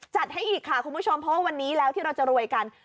จัดให้อีกค่ะคุณผู้ชมเพราะว่าวันนี้แล้วที่เราจะรวยกัน